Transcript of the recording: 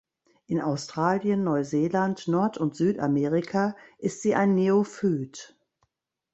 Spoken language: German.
In Australien, Neuseeland, Nord- und Südamerika ist sie ein Neophyt.